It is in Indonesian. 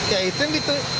ya itu yang gitu